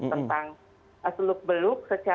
pemilk ryan lupa sollen finger suatan saja